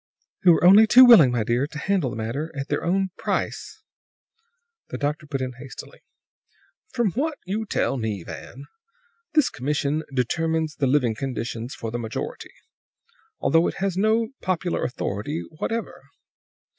"Who are only too willing, my dear, to handle the matter at their own price!" The doctor put in hastily: "From what you tell me, Van, this commission determines the living conditions for the majority, although it has no popular authority whatever.